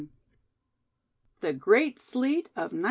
THE GREAT SLEET OF 19